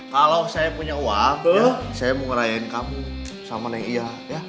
kalau saya punya uang saya mau ngerayain kamu sama nenek iya